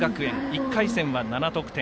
１回戦は７得点。